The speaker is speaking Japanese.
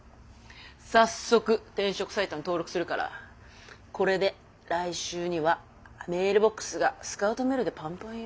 早速転職サイトに登録するからこれで来週にはメールボックスがスカウトメールでパンパンよ。